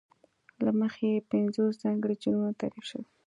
له مخې یې پینځوس ځانګړي جرمونه تعریف شول.